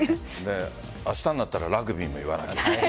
明日になったらラグビーも言わないと。